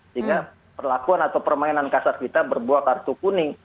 sehingga perlakuan atau permainan kasat kita berbuah kartu kuning